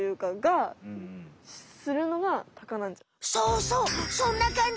そうそうそんな感じ。